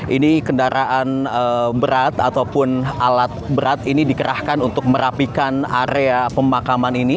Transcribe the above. ini kendaraan berat ataupun alat berat ini dikerahkan untuk merapikan area pemakaman ini